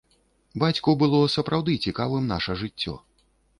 Бацьку было сапраўды цікавым наша жыццё.